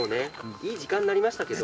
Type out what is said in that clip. いい時間になりましたけど。